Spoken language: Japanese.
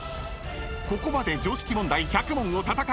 ［ここまで常識問題１００問を戦い抜き